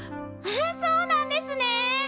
そうなんですね！